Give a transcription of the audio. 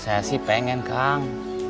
saya sih pengen kang